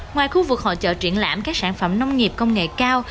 ngoài khu vực hội trợ triển lãm các sản phẩm nông nghiệp công nghệ cao